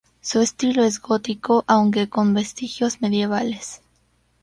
Su estilo es gótico aunque con vestigios medievales.